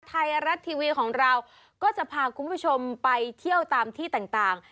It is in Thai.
ไทยรัฐทีวีของเราก็จะพาคุณผู้ชมไปเที่ยวตามที่ต่าง